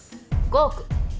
５億。